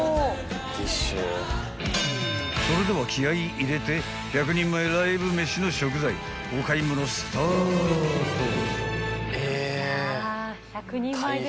［それでは気合入れて１００人前ライブ飯の食材お買い物スタート］